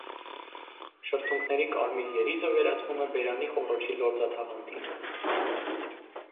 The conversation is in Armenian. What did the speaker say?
Շրթունքների կարմիր երիզը վերածվում է բերանի խոռոչի լորձաթաղանթի։